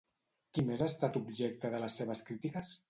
Qui més ha estat objecte de les seves crítiques?